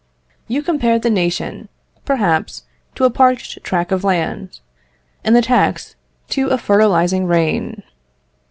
You compare the nation, perhaps to a parched tract of land, and the tax to a fertilising rain.